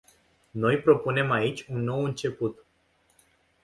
Noi propunem aici un nou început.